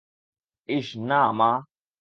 ইশ না, মা।